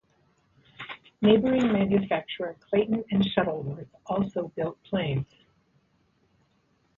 Neighbouring manufacturer Clayton and Shuttleworth also built planes.